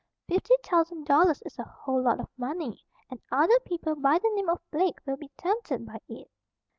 Fifty thousand dollars is a whole lot of money, and other people by the name of Blake will be tempted by it."